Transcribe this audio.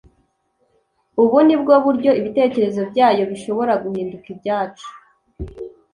Ubu ni bwo buryo ibitekerezo byayo bishobora guhinduka ibyacu